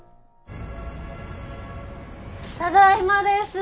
ただいまです。